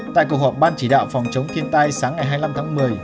tại cuộc họp ban chỉ đạo phòng chống thiên tai sáng ngày hai mươi năm tháng một mươi